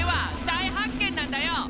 大発見なんだよ！